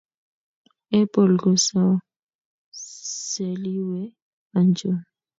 Apple ko saleiwe anchon.